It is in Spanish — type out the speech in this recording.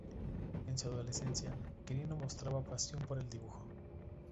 En su adolescencia, Quirino mostraba pasión por el dibujo.